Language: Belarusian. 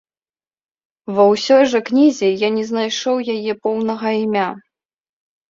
Ва ўсёй жа кнізе я не знайшоў яе поўнага імя.